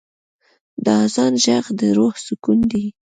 د آذان ږغ د روح سکون دی.